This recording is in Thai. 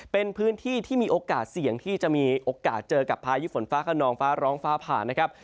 เป็นพื้นที่ที่มีโอกาสเสี่ยงที่จะมีโอกาสเจอกับพายุฝนฟ้าขนองฟ้าร้องฟ้าผ่านะครับ